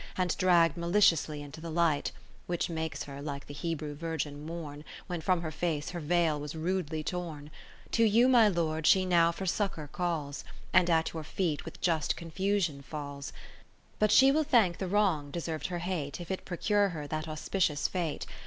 And dragg'd maliciously into the light, (Which makes her like [the] Hebrew Virgin mourn When from her face her veil was rudely torn) 10 To you (my Lord) she now for succour calls, And at your feet, with just confusion falls. But she will thank the wrong deserv'd her hate. If it procure her that auspicious fate.